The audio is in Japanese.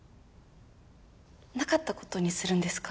なかった事にするんですか？